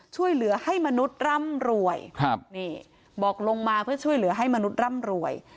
ช่วยเหลือให้มนุษย์ร่ำรวยครับนี่บอกลงมาเพื่อช่วยเหลือให้มนุษย์ร่ำรวย